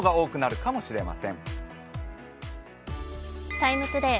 「ＴＩＭＥ，ＴＯＤＡＹ」